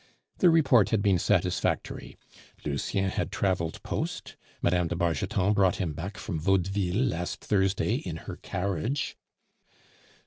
The report had been satisfactory. Lucien had traveled post; Mme. de Bargeton brought him back from Vaudeville last Thursday in her carriage.